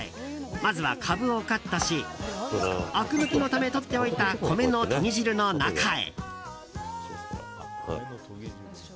まずはカブをカットしあく抜きのため、とっておいた米のとぎ汁の中へ。